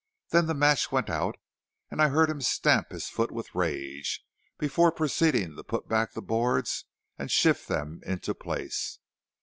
Then the match went out, and I heard him stamp his foot with rage before proceeding to put back the boards and shift them into place.